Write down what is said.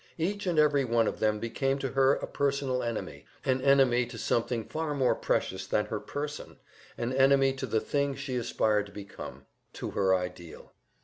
Each and every one of them became to her a personal enemy, an enemy to something far more precious than her person, an enemy to the thing she aspired to become, to her ideal.